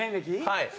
はい。